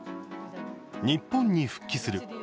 「日本に復帰する」